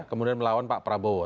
kemudian melawan pak prabowo